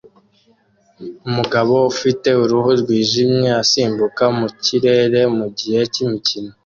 Umugabo ufite uruhu rwijimye asimbuka mu kirere mugihe cyimikino